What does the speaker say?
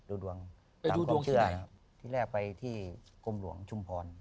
ดูดวงทางพ่อเชื่อครับที่แรกไปที่กลมหลวงชุมพร